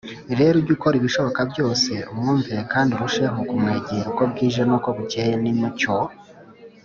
rero uge ukora ibishoboka byose umwumvire kandi urusheho kumwegera uko bwije n uko bukeye Nimucyo